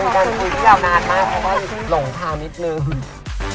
เป็นการคุยกับนานมากแล้วก็หลงทางนิดนึง